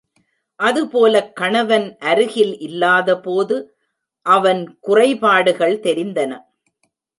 அதுபோலக் கணவன் அருகில் இல்லாதபோது அவன் குறைபாடுகள் தெரிந்தன.